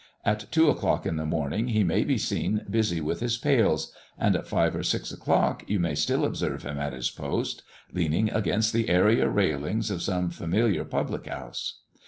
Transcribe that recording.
At two o'clock in the morning he may be seen busy with his pails, and at five or six o'clock you may still observe him at his post, leaning against the area railings of some familiar public house.